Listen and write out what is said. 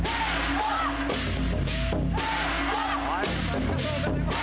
ありがとうございます。